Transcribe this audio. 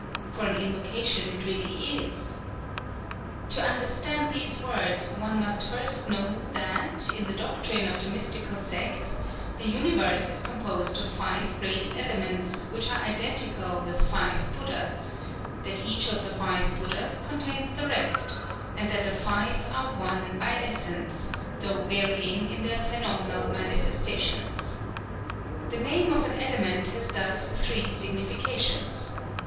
for an invocation it really is? To understand these words one must first know that, in the doctrine of the mystical sects, the universe is composed of Five Great Elements which are identical with Five Buddhas; that each of the Five Buddhas contains the rest; and that the Five are One by essence, though varying in their phenomenal manifestations. The name of an element has thus three significations.